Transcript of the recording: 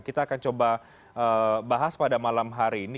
kita akan coba bahas pada malam hari ini